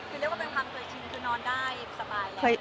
คือเรียกว่าเป็นความเคยชินคือนอนได้สบายเลย